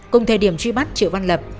cùng thời điểm truy bắt triệu văn lập